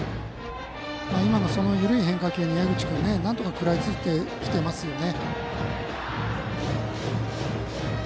今も緩い変化球に江口君はなんとか食らいついてきてますね。